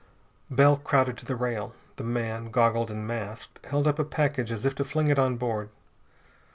Bell crowded to the rail. The man goggled and masked held up a package as if to fling it on board.